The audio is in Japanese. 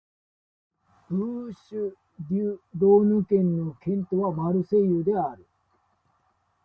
ブーシュ＝デュ＝ローヌ県の県都はマルセイユである